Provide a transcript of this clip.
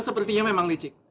sepertinya memang licik